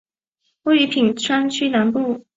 位于品川区南部。